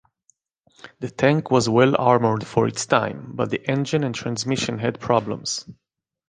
The tank was well-armoured for its time, but the engine and transmission had problems.